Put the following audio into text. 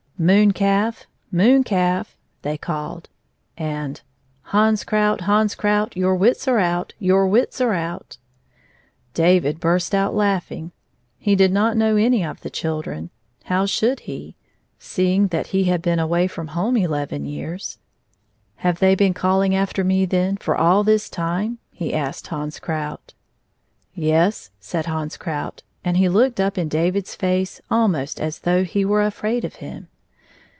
" Moon calf! Moon calf!" they called; and — ^^Hans Krout 1 Hans Krout 1 Your wits are out! Your wits are outl^^ David burst out laughing. He did not know any of the children. How should he, seeing that he had been away from home eleven years 1 17+ "Have they been caUing after me then for all this tune 1 '' he asked Hans Krout. " Yes," said Hans Krout; and he looked up in David's face almost as though he were afraid of him.